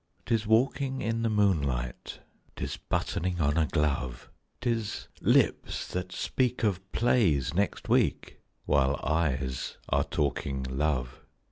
'Tis walking in the moonlight, 'Tis buttoning on a glove, 'Tis lips that speak of plays next week, While eyes are talking love.